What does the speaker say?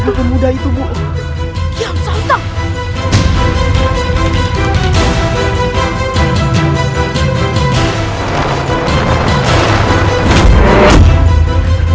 kau bisa menghentikan aku